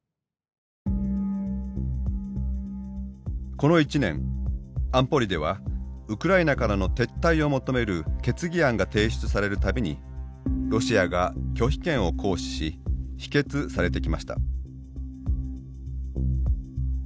この１年安保理ではウクライナからの撤退を求める決議案が提出される度にロシアが拒否権を行使し否決されてきました。